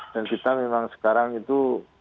dan kita memang sekarang itu